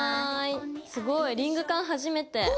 すごいリングカン初めて。